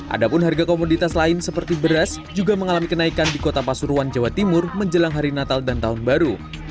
ada pun harga komoditas lain seperti beras juga mengalami kenaikan di kota pasuruan jawa timur menjelang hari natal dan tahun baru